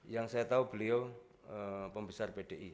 yang saya tahu beliau pembesar pdi